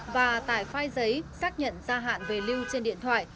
và tải file giấy xác nhận gia hạn về lưu trên điện thoại